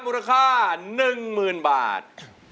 มูลค่า๑๐๐๐บาท